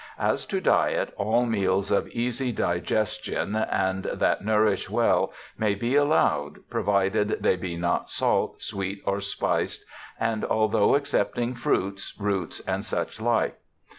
As to diett all meals of easy digestion and that nourish well may be allowed, provided they be not salt, sweet or spiced and altho excepting fruits, roots and such like.